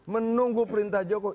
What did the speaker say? menunggu perintah jokowi